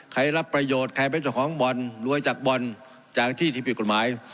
รับประโยชน์ใครเป็นเจ้าของบ่อนรวยจากบ่อนจากที่ที่ผิดกฎหมาย